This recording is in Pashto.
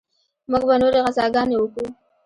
موږ به نورې غزاګانې وکو.